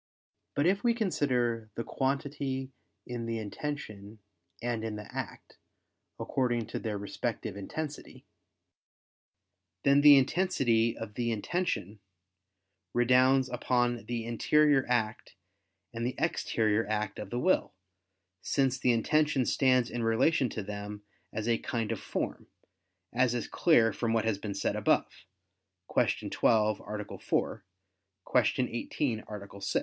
But if we consider the quantity in the intention and in the act, according to their respective intensity, then the intensity of the intention redounds upon the interior act and the exterior act of the will: since the intention stands in relation to them as a kind of form, as is clear from what has been said above (Q. 12, A. 4; Q. 18, A. 6).